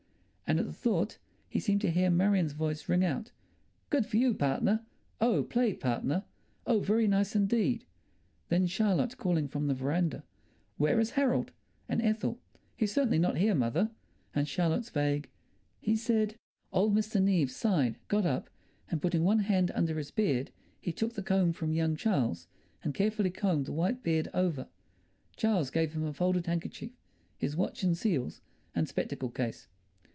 And at the thought he seemed to hear Marion's voice ring out, "Good for you, partner.... Oh, played, partner.... Oh, very nice indeed." Then Charlotte calling from the veranda, "Where is Harold?" And Ethel, "He's certainly not here, mother." And Charlotte's vague, "He said—" Old Mr. Neave sighed, got up, and putting one hand under his beard, he took the comb from young Charles, and carefully combed the white beard over. Charles gave him a folded handkerchief, his watch and seals, and spectacle case.